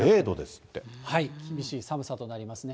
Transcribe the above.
厳しい寒さとなりますね。